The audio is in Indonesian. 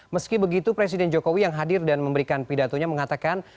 meski begitu presiden jokowi yang hadir dan memberikan pidatonya mengatakan